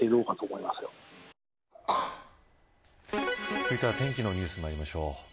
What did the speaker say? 続いては、天気のニュースにまいりましょう。